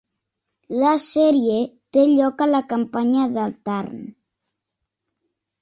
La sèrie té lloc a la campanya del Tarn.